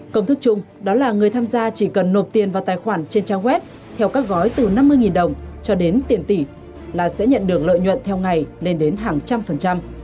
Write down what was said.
công thức chung đó là người tham gia chỉ cần nộp tiền vào tài khoản trên trang web theo các gói từ năm mươi đồng cho đến tiền tỷ là sẽ nhận được lợi nhuận theo ngày lên đến hàng trăm